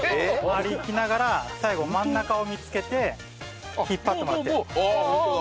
周りいきながら最後真ん中を見つけて引っ張ってもらって。